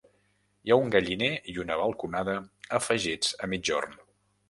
Hi ha un galliner i una balconada afegits a migjorn.